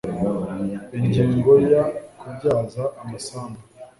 ingingo ya kubyaza amasambu